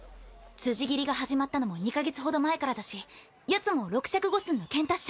辻斬りが始まったのも２カ月ほど前からだしやつも６尺５寸の剣達者。